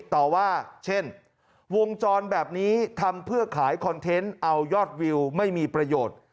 ต่อว่าเช่นวงจรแบบนี้ทำเพื่อขายคอนเทนต์เอายอดวิวไม่มีประโยชน์